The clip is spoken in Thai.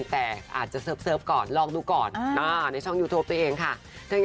คือขอให้ติดตามดูก่อนละกัน